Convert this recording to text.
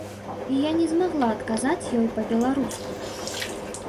І я не змагла адказаць ёй па-беларуску.